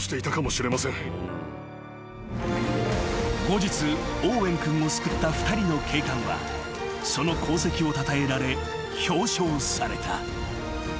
［後日オーウェン君を救った２人の警官はその功績をたたえられ表彰された］